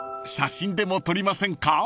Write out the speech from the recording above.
写真でも撮りませんか？］